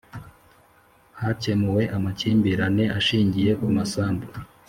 Hakemuwe amakimbirane ashingiye ku masambu